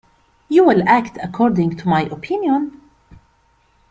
You will act according to my opinion?